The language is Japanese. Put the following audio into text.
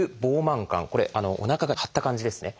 これおなかが張った感じですね。